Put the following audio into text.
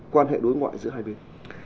quan hệ đối ngoại giữa hai bên